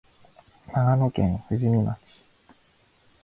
長野県富士見町